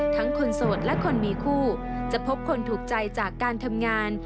คนโสดและคนมีคู่จะพบคนถูกใจจากการทำงาน